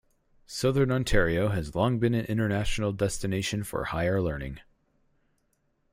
Southern Ontario has long been an international destination for higher learning.